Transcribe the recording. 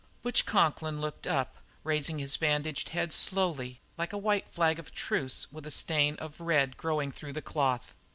Butch Conklin looked up, raising his bandaged head slowly, like a white flag of truce, with a stain of red growing through the cloth.